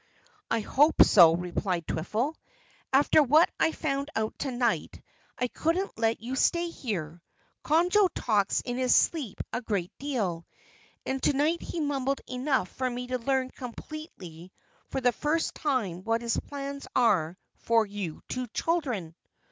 "I hope so," replied Twiffle. "After what I found out tonight I couldn't let you stay here. Conjo talks in his sleep a great deal, and tonight he mumbled enough for me to learn completely for the first time what his plans are for you two children."